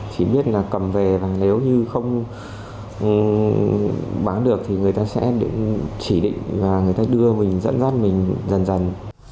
chỉ biết là cầm về nếu như không bán được thì người ta sẽ chỉ định và người ta đưa mình dẫn dắt mình dần dần